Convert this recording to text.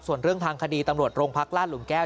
ส่วนเรื่องทางคดีตำรวจโรงพักลาดหลุมแก้ว